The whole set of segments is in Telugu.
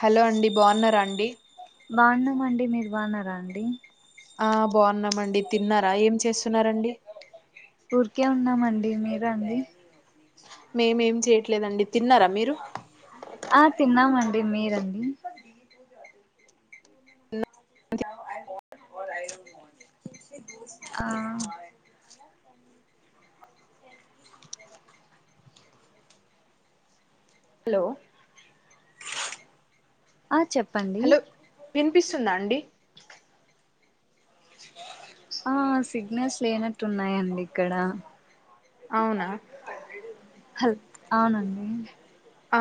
హలో అండి బాగున్నారా అండి బాగున్నామండి మీరు బాగున్నారా అండి ఆ బాగున్నామండి తిన్నారా ఏం చేస్త ఊరికే ఉన్నామండి అడి మీరా అండి మేమేం చేయట్లేదండి తిన్నారా మీరు ఆ తిన్నామండి డి మీరండి ఆ హలో ఆ చెప్పండి హలో వినిపిస్తుందా అండి ఆ సిగ్నల్స్ లేనట్టు ఉన్నాయండి ఇక్కడ అవునా అవునండి ఆ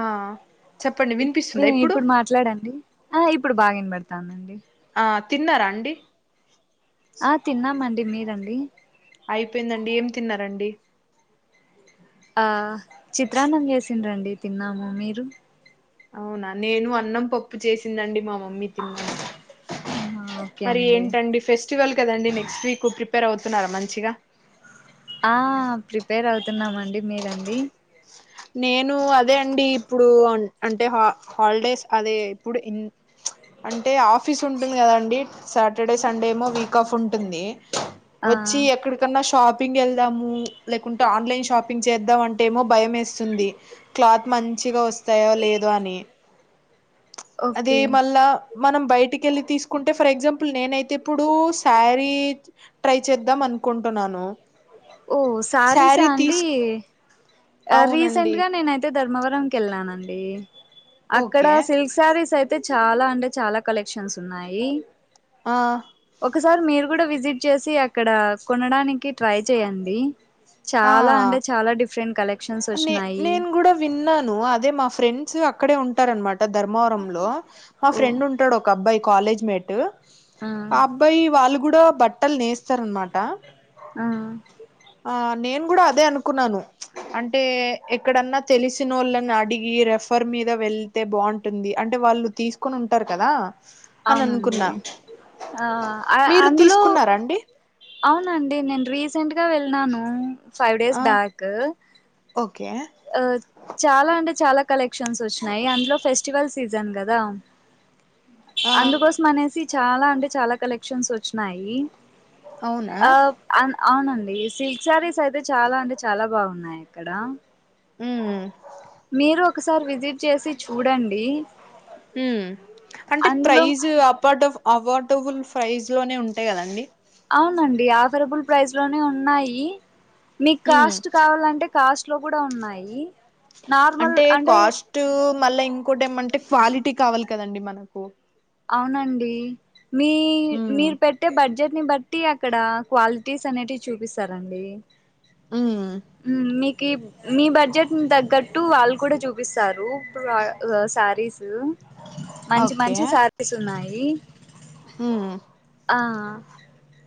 చెప్పండి వినిపిస్తుందా ఇప్పుడు మాట్లాడండి ఆ ఇప్పుడు బాగినబడ్తందండి. ఆ తిన్నరా అండి ఆ తిన్నామండి. మీరండి? అయిపోయిందండి ఏం తిన్నరండి ఆ చిత్రాన్నం చేసింరండి తిన్నాము మీరు అవునా నేను అన్నం పప్పు చేసిందండి మా మమ్ మ్మీ తిన్నాను. ఆహా ఓకే మరి అండి ఏంటండి ఫెస్ట్ వల్ కదండి నెక్స్ట్ వీక్ ప్రిపేర్ అవుతున్నారా మంచిగా. ఆ ప్రిపేర్ అవుతున్నామండి మీరండి. నేను అదే అండి ఇప్పుడు అంటే హాలిడేస్ అదే ఇప్పుడు ఇన్ అంటే ఆఫీస్ ఉంటుంది కదండి సాటర్డే సండే ఏమో వీక్ ఆఫ్ ఉంటుంది. ఆ వచ్చి ఎక్కడికన్న షాపింగ్ వెల్ చేద్దాము లేకుంటే ఆన్లైన్ షాపింగ్ చేద్దాం అంటేమోభయమేస్ స్తుంది. క్లాత్ మంచ్ చిగా వస్తాయో లేదో అని అది ఓకే మళ్ళా మనం బయటకెళ్ళి తీసుకుంటే ఫర్ ఎగ్జాంపుల్ నేనైతే ఇప్పుడు సారీ ట్రై చేద్దాం అనుకుంటున్నాను. ఓ సారీసా శారీ అండి తీసు అవునండి రీసెంట్గా నేనైతే ధర్మవరంకి కెళ్ళనం ఏమ్ అక్కడ ఓకే సిల్క్ సారీస్ అయి తే చాలా అంటే చాలా కలెక్షన్స్ ఉన్నాయి. ఆ ఒకసారి మీరు గుడా విజిట్ చేసి అక్కడా కొనడానికి ట్రై చేయండి ఆ చాలా అంటే చాల డిఫరెంట్ కలెక్ నే నేను గూడ విన్నాను అదే మా ఫ్రెండ్స్ అక్ అక్కడే వుంటారన్మాట ధర్మవరంలో. మా ఓ ఫ్రెండ్ వుంటాడు ఒక అబ్బాయి. కాలేజ్ మేట్ ఆ అబ్బాయి వాళ్ళు గుడా బట్టలు నేస్తారన్నమాట. ఆ నేను గుడా అదే అనుకున్నాను. అం టే ఎక్కడన్న తెలిసినోళ్ళని అడిగి రిఫర్ మీద వెళ్తే బాగుంటుంది. అంటే వాళ్ళు తీసుకొని ఉంటారు కదా. అని అవునండి అనుకున్నా ఆ మీరు అందులో తీసుకున్నారా అండి అవునండి నేను రీస్ సెంట్ గా వెళ్ళినాను ఫైవ్ డేస్ ఆ బ్యాక్ ఓకే అ చాలా అంటే చాలా కలెక్షన్స్ వచ్చినాయి అందులో ఫెస్టివల్ సీజన్ గదా ఆ అందుకోసం అనేసి చాలా అంటే చాలా కలె షన్స్ వచ్చినాయి అవునా ఆ అ అవునండి సిల్క్ శారీస్ అయితే చాలా అంటే చాలా బాగున్నాయి ఇక్కడ హ్మ్ మీరూఒకసారి విజిట్ చేసి చూడండి హ్మ్ అంటే అందులో ప్రైజు అవార్డుఫ్ అవార్డ్ టుబుల్ ప్రైస్ లోనే ఉంటాయి కదండి అవునండి ఆఫరబుల్ ప్రైస్ లోనే ఉన్నాయి మీకు హ్మ్ కాస్ట్ కావాలంటే కాస్ట్ లో కూడ ఉన్నాయి అంటే కాస్ట్ మళ్ళా ఇంకోటి ఏమ అంటే క్వాలిటీ కావాలి కదండి మనకు అవునండి మీ హ్మ్ మీరు పెట్టే బడ్జెట్ దని బట్టి అక్కడ క్వాలిటీస్ అనేటివి చూపిస్తారండి హ్మ్ హ్మ్ మీ కి మీ బడ్జెట్ ని తగ్గట్టు వాళ్ళు కూడా చూపిస్తారు ప్ర శారీస్ మంచి ఓకే మంచి శా సున్నాయి హ్మ్ ఆ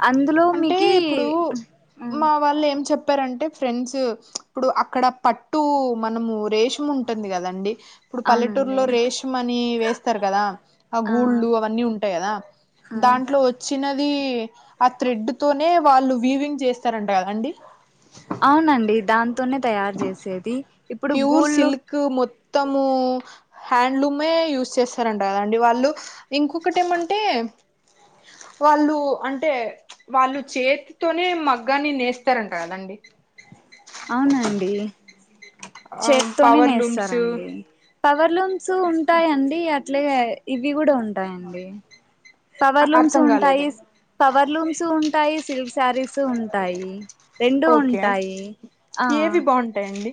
అందులో అంటే మికీ ప్పారంటే ఫ్రెండ్స్ ఇప్పుడు అక్కడ పట్టు మనము రేషం ఉంటంది కదండి ఇప్పుడు పల్లెటూరులో అవునండి రేషము అని వేస్తారు కదా ఆ గూళ్ళు అవన్నీ ఉంటాయి కదా ఆ దాంట్లో వచ్చిన మీ థ్రెడ్ తోనే వాళ్ళు వీవింగ్ చేస్తారంట కదండి అవునండి దాం తోనే తయారు చేసేది ఇప్పుడు ప్యూర్ గూళ్ళు సిల్క్ మొత్తము హ్యాండ్లూమే యూస్ చేస్తారంట కదండి వాళ్ళు ఇంకొకటి ఏమంటే వాళ్ళు అంటే వాళ్ళు చేతోనే మగ్గాని నేస్తారంట కదండి అవునండీ ఆ చేత్తోనే పవర్ లూమ్స్ నేస్తరండి పవర్ లూమ్స్ ఉంటాయండి అట్లే ఇవి గుడ ఉన్ ఉంటాయ్ అండి పవర్లూమ్స్ అర్థం కాలేదు ఉంటాయి పవర్లూమ్స్ ఉంటాయి సిల్క్ సారీస్ ఉంటాయి రెండూ ఓకే ఉంటాయి ఆ ఏవి బాగుంటాయ్ అండి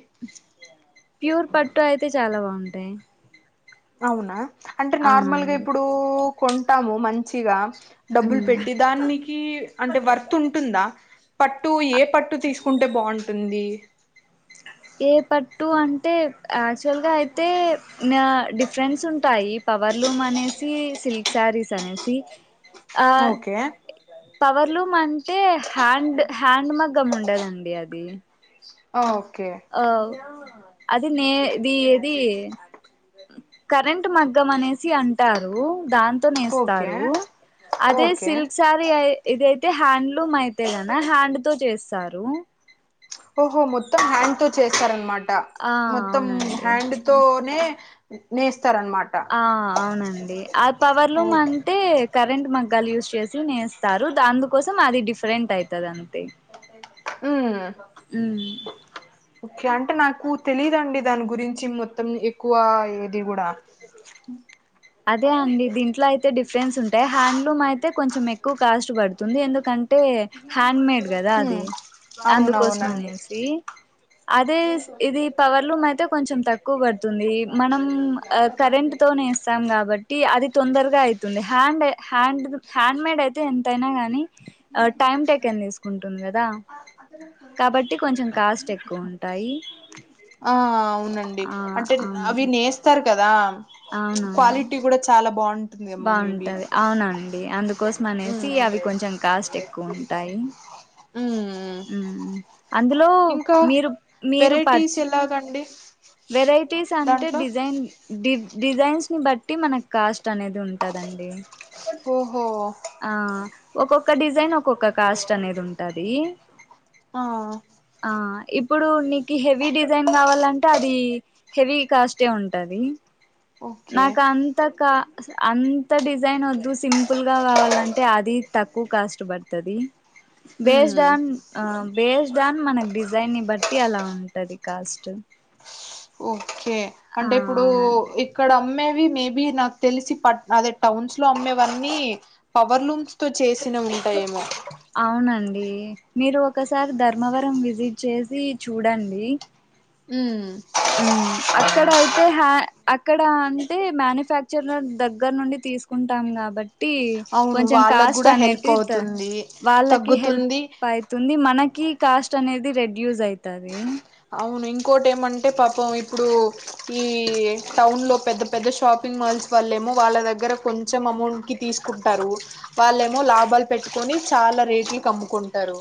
ప్యూర్ పట్టు అయితే చాలా బాగుంటాయి అవునా అంటే నార్మల్గా అవునండి ఇప్పుడూ కొంటాము మంచి చిగా డబ్బులు మ్మ్ పెట్టి దానికి అంటే వర్త్ ఉంటుందా పట్టు ఏ పట్టు తీసుకుంటే బావుంటుంది ఏ పట్ టూ అంటే యాక్చువల్గా అయితే ఆ డిఫరెన్స్ ఉంటాయి పవర్లూమ్ అనేసి సిల్క్ శారీస్ అనేసి ఓకే పవర్లూమ్ అంటే హ్యాండ్ హ్యాండ్ మగ్గం ఉండదండి అది ఓ ఆ అది నే ది ఏది కరెంట్ మగ్గం అనేసి అంటారు దాంతో ఓకే నేస్తారు అదే ఓకే సిల్క్ సారి ఐ ఇదైతే హ్యాండ్ లు యితే కద హ్యాండ్ తో చేస్తారు ఓహో మొత్తం హ్యాండ్ తో చేస్తారనమాట ఆ ట మొత్తం అవునండి హ్యాండ్ తోనే నేస్ ఆ అవునండి అద పవర్లూమ్ అంటే కరెంట్ మగ్గాలు యూజ్ చేసి నేస్తారు దానికోసం అది డిఫరెంట్ అయితది హుమ్ కే అంటే నాకు తెలిదండి దాని గురించి మొత్తం ఎక్కువ ఏమి ది గూడ అదే అండి దీంట్లో అయితే అ డిఫెస్ ఉంటాయి హ్యాడ్లూమ్ అయి తె కొంచం ఎక్కువా కాస్ట్ పడుతుంది, ఎందుకంటే హండ్ మేడ్ కదా హ్మ్ అది, అందుకోసం అవునవునండి అనేసి అదే ఇది పవర్ లు కొంచెం తక్కువ పడుతుంది మనం ఆ కరెంట్ తోనే కాబట్టి అది తొందరగా అవుతుంది, హ్యాండ్ హ్యాండ్ హ్యాండ్ మేడ్ అయితే ఎ ఎంతైనా గాని ఆ టైమ్ టేకన్ తీసుకుంటుంది కదా కాబట్టి కొంచెం కాస్ట్ ఎక్కువ ఉంటాయి ఆ అవునండి ఆ అంటే అవి అవునండి నేస్తారు కదా అవునవును క్వాలిటీ కూడా చాలా బాగుంటుందేమో మేబి కోసం అనేసి హ్మ్ అవి కొంచెం కాస్ట్ ఎక్కు ఎక్కుంటాయి హ్మ్ మ్ అందులో ఇంకా మీరు మీరు వెరైటీస్ పరచి ఎలాగండి వెరైటీస్ అంటే దాంట్లో డిజైన్ డివ్ డిజైన్స్ ని బట్టి మనకు కాస్ట్ అనేది ఉంటదండి ఓహో ఆ ఒక్కొక్క డిజైన్ ఒక్కొక్క కాస్ట్ అనేది ఉంటది ఆ ఆ ఇప్పుడు నీకు హెవీ డిజైన్ కావాలం అది హెవీ కాస్ట్ ఎ ఉంటది ఓకే నాకు అంతకా అంత డిజైన్ వద్దు సింపుల్ గా కావాలంటే అది తక్కువ కాస్ట్ పడతది based hmm on um based on మనకి డిజైన్ ని బట్టి అలా ఉంటది కాస్ట్ ఓకే ఆ అంటే ఇప్పుడు అవునండి ఇక్కడ అమ్మే మేబి నాకు తెలిసి ప అదే టౌన్స్ లో అమ్మేవన్నీ పవర్ లుమ్స్ తో చేసిన ఉంటాయేమో అవునండి మీరు ఒకసారి ధర్మవరం విజిట్ చేసి చూడండి ఉమ్ మ్మ్ అక్కడ అయితే హ్య ఇక్కడ అంటే మ్యానుఫ్యాక్చర్ దగ్గర నుండి తీసుకుంటాం కాబ టి అవును కొంచెం వాళ్ళకు కాస్ట్ కూడా హెల్ప్ అనేటి అవుతుంది వాళ్ళకి హెల్ప్ తగ్గుతుంది అవుతుంది మన కి కాస్ట్ అనేది రెడ్యాస్ అయితది అవును ఇంకోటి ఏమంటే పాపం ఇప్పుడు ఈ టౌన్ లో పెద్ద పెద్ద షాపింగ్ మాల్స్ వాళ్ళ ఏమో వాళ్ళ దగ్గర కొంచెం అమౌంట్ కి తీసుకుంటారు వాళ్ళేమో లాభాలు పెట్టుకొని చాలా రేట్లుకు అమ్ముకుంటారు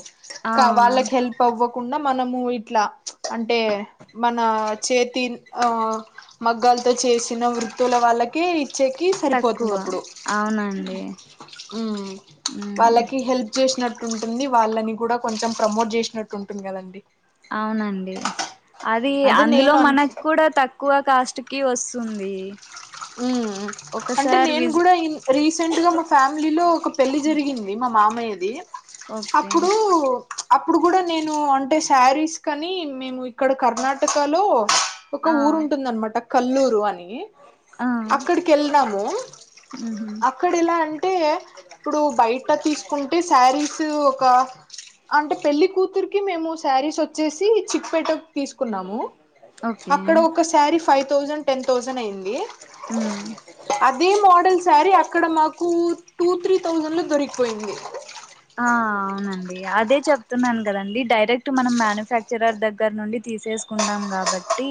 ఆ కావాళ్ళకి హెల్ప్ అవ్వ కుండా మనము ఇట్లా అండ్ అంటే మన చేతి ఆ మగ్గాలతో చేసిన వృత్తుల వాళ్ళకి చేకి తక్కువ సరిపోతుంది అప్పుడు అవునండి ఉ ఉమ్ వాళ్ళకి హెల్ప్ చేసినట్టు ఉంటుంది వాళ్ళని కూడా కొంచెం ప్రమోట్ చేసినట్టుంటుంది కదండి అవునండి అది అదే అందులో నేను అనుకు మనకు కూడా తక్కువ కాస్ట్ కి వస్ తుంది ఉ అంటే నేను కూడా ఇన్ రీసెంట్ గా మా ఫ్యామిలీలో ఒక పెళ్లి జరిగింది మా మామ్ మాయ ది ఓకే అప్పుడు అప్పుడు కూడా నేను అంటే శారీస్ కని మేము ఇక్కడ కర్ణాటకలో ఒక ఆ ఊరుంటుందనమాట కల్లూరు అని ఆ అక్కడికి వెళ్ళినాము ఉహు అక్కడ ఎలా అంటే ఇప్పుడు బయట తీసుకుంటే శారీస్ ఒక అంటే పెళ్లి కూతురుకి మేము శారీస్ వచ్ వచ్చేసి చిక్పేటక్ తీసుకున్నాము ఓకే అక్కడ ఒకసారీ ఫైవ్ థౌసండ్ టెన్ థౌసండ్ అయింది ఉమ్ అదే మోడల్ సారి అక్ అక్కడ మాకు టూ త్రీ థౌసండ్ లో దొరికిపోయింది ఆ అవునండి అదే చెప్తున్నాను కదండి డైరెక్ట్ మనం మ్యానుఫ్యాక్చరర్ దగ్గర నుండి తీసేసుకుంటాం కాబట్టి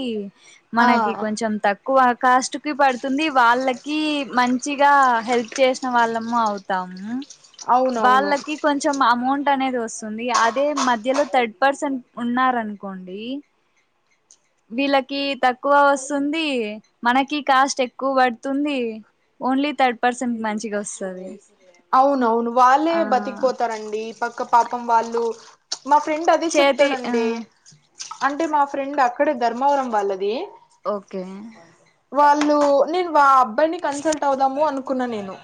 ఆ మనకి కొంచెం తక్కువక్ కాస్ట్ కి పడుతుంది వాళ్ళకి మంచిగా హెల్ప్ చేసిన వాళ్ళము అవుతాము అవునవును వాళ్ళకి కొంచెం అమౌంట్ అనేది వస్తుంది అదే మధ్యలో థర్డ్ పర్సెంట్ ఉన్నారు అనుకోండి వీళ్ళకి తక్ క్కువ వస్తుంది మనకి కాస్ట్ ఎక్కువ పడుతుంది ఓన్లీ థర్డ్ పర్సన్ కి మంచిగా వస్తది అవున అవును వాళ్ళే ఆ బతికిపోతారండి పక్క పాపం వాళ్ళు మా ఫ్రెండ్ అదే చేతి చెప్తాడు ఆ అండి అంటే మా ఫ్రెండ్ అక్కడే ధర్మవరం వాళ్ళది ఓకే కళు నిల్వాబ్ అబ్బాయిని కన్సల్ట్ అవుదాము అనుకున్నా నేను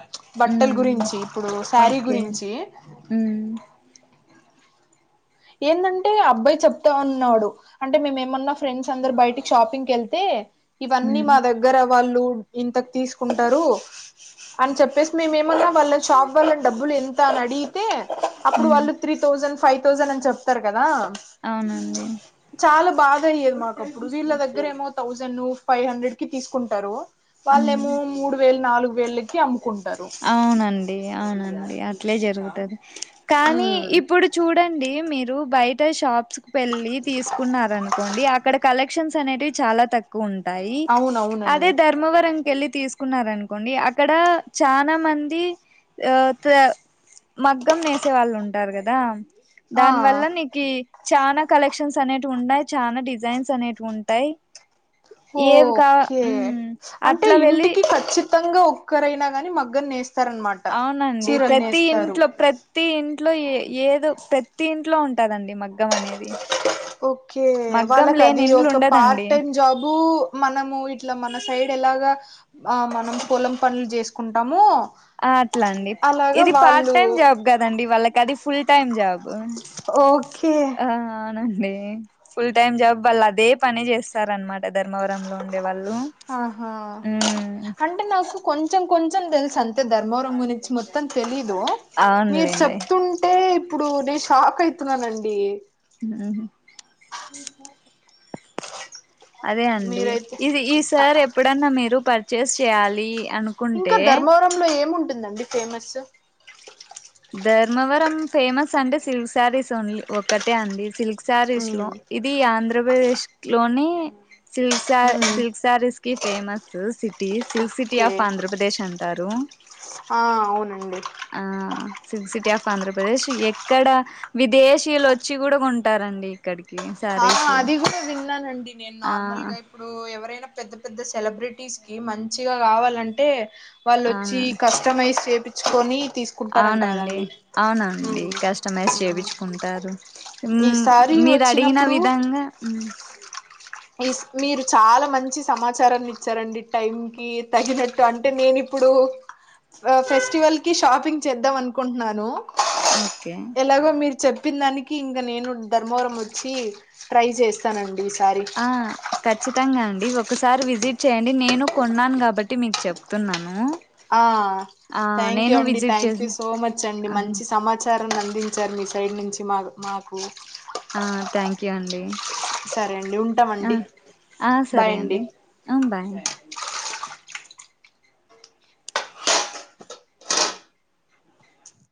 బట్టల ఉమ్ గురించి ఇప్పుడు శారీ ఓకే గురించి ఉమ్ ఏందంటే అబ్బాయి చెప్తా ఉన్నాడు అంటే మేమేమన్నా ఫ్రెండ్స్ అందరు బయటికి షాపింగ్కి వెళ్తే ఇవన్నీ ఉమ్ మా దగ్గర వాళ్ళు ఇంతకు తీసుకుంటారు అని చెప్పేసి మే ఏమన్నా వాళ్ళనీ షాప్ వళ్ళని డబ్బులు ఎంత అని అడిగితే అప్పుడు ఉమ్ వాళ్ళు త్రీ థౌసండ్ ఫైవ్ థౌసండ్ అన్ చెప్తారు కదా అవునండి చాలా బాధ అయ్యేది మాకప్పుడు వీళ్ళ దగ్గర ఏమో థౌసండ్ ఫైవ్ హండ్రెడ్ కి తీసుకుంటారు వాళ్ళేమో ఉమ్ మూడు వేలు నాలుగు వేల్ వేల్ అవునండి అవునండి అట్లే జరుగు తది కానీ ఉమ్ ఇప్పుడు చూడండి మీర్ డు బయట షాప్స్ కు వేళ్ళి తీసుకున్నారునుకోండి అక్కడ కలెక్ట్ క్షన్న్స్ అనేటివి చాలా తక్కువ ఉన్ టాయి అదే అవునవునండి ధర్మవరం కెళ్ళి తీసుకున్నారనుకోండి అక్ అక్కడ చానా మంది ఆ త మగ్గం నేసే వాళ్ళు ఉంటారు కదా ఆ దాని వల్ల నీకి చానా కలెక్షన్స్ అనేటివి వుండాయ్ చాలా డిజైన్స్ అనేటివి ఉన్ టాయి ఓ ఓకే అంటే అట్లా వెళ్ళి ఇంటికి ఖచ్చి త్తంగా ఒక్కరైనాగానీ మగ్గం నేస్ అవునండి ప్రతి ఇంట్లో ప్రతి ఇంట్లో ఏ ఏదో ప్రతి ఇంట్లో ఉంటదండి మగ్గం అనేది ఓకే మగ్గం వాళ్ళకు లేని అది ఇండ్లు ఒక పార్ట్ ఉండదండి టైం జాబు మనము ఇట్లా మన సైడ్ ఎలాగా మనం పొలం పనులు చేసుకున్ కుంటాము అట్లా అండి ఇది పార్ట్ టైం జాబ్ కదండి వాళ్ళకి అది ఫుల్ టైం జాబ్ ఓకే ఆ అండి ఫుల్ టైమ్ జాబ్ వాళ్ళు అదే పని చేస్తారన్నమాట ధర్మవరంలో ఉండేవాళ్ళు ఆహా అంటే నాకు కొం చెం కొంచెం తెల్ అంతే ధర్మవరం గురించి మొత్తం తెలీదు. మీరు అవునులేండి చెప్తుంటే ఇప్పుడు నేను షాక్ అయితున్నానండి. ఉ హ్ [inaudible] అదే అండి. మీరైతే ఇది ఈ అ సారీ ఎప్పుడన్నా మీరు పర్ చేస్ చేయాలి ఇంకా అనుకుంటే ధర్మవరంలో ఏముం టుదండి ఫేమస్ ధర్మవరం ఫేమస్ అంటే, సిల్క్ శారీస్ ఓన్లీ ఒక్కటే అండి సిల్క్ శారీస్ లో, ఉమ్ ఇది ఆంధ్రప్రదేశ్ ఇంట్లోనే సిల్క్ స ఉమ్ సిల్క్ సారిస్ కి famous cities silk city okay of Andhra Pradesh అం తరు ఆ అవునండి సిల్క్ సిటీ ఆఫ్ ఆంధ్రప్రదేశ్ ఎక్కడ విదేశీయులు వోచ్చి కూడా కొంటారండి ఇక్కడికి ఆ శారీస్ అది కూడా విన్నానండి. నేను ఆ నార్మల్ గా ఇప్పుడు ఎవరైనా పెద్ద పెద్ద సెలబ్రెటీస్ కి మంచిగా కావాలంటే వాళ్ళొచ్చి అవును కస్టమైజ్ చేపి పిచ్చుకొని అవునండి అవునండి ఉమ్ కస్టమైజ్ చేపిచ్చు కుంటారు. ఈసారి మీరు అడిగిన ఆ వచ్చినప్పుడు విధంగా ఉ మీరు చాలా మంచి సమాచారాన్ని ఇచ్చారండి. టైం కి తగినట్టు అంటే నేను ఇప్పుడు, ఫెస్టివల్ కి షాపింగ్ చేద్దాం అనుకుంటున్నాను. ఓకే ఎలాగో మీరు చెప్పిన దానికి ఇంగ నేను ధర్మవరం వోచ్చి ట్రై చేస్తానండి. ఈసారి ఆ ఖచ్చితంగా అండి. ఒకసారి విజిట్ చేయండి. నేను కొన్నాను కాబట్టి మీకు చెప్తున్నాను. ఆ ఆ థ్యాంక్ యూ నేను అండి. విజిట్ థ్యాంక్ చేసి యూ సో మచ్ అండి. ఆహా! మంచి సమాచారాన్ని అందించారు. మీ సైడ్ నుంచి మాకు, మాకు ఆ థ్యాంక్ యూ అండి. సరే అండి ఆ ఉంటామండి ఆ! బాయ్ సరే అండి. ఆ! బాయ్